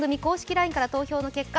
ＬＩＮＥから投票の結果